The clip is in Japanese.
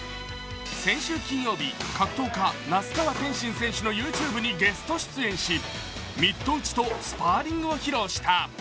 先週金曜日、格闘家・那須川天心選手のＹｏｕＴｕｂｅにゲスト出演し、ミット打ちとスパーリングを披露した。